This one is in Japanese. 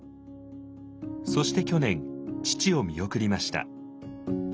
そして去年父を見送りました。